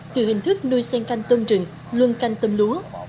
từ hình thức nuôi sen canh tôm trừng luân canh tôm lúa